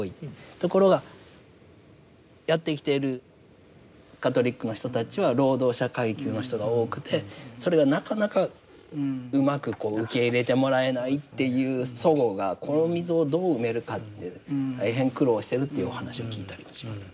ところがやって来ているカトリックの人たちは労働者階級の人が多くてそれがなかなかうまくこう受け入れてもらえないっていう齟齬がこの溝をどう埋めるかって大変苦労しているというお話を聞いたりもします。